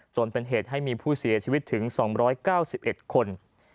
จนเป็นเหตุให้มีผู้เสียชีวิตถึง๒๙๑คน